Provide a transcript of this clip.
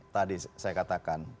tadi saya katakan